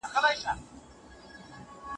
خپل علمي مسولیت په سمه توګه ترسره کړئ.